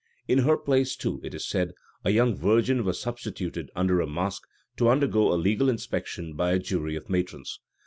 In her place, too, it is said, a young virgin was substituted under a mask, to undergo a legal inspection by a jury of matrons.